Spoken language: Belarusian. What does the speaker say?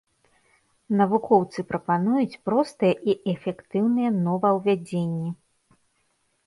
Навукоўцы прапануюць простыя і эфектыўныя новаўвядзенні.